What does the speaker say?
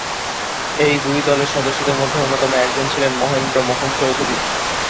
এই দুই দলের সদস্যদের মধ্যে অন্যতম একজন ছিলেন মহেন্দ্র মোহন চৌধুরী।